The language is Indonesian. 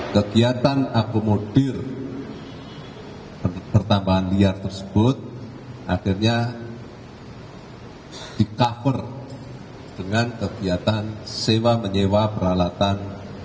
kegiatan akomodir pertambahan liar tersebut akhirnya di cover dengan kegiatan sewa menyewa peralatan